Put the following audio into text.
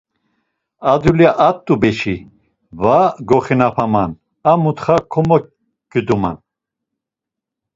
A dulya at̆u beçi, va goxinapaman, a mutxa komoǩiduman.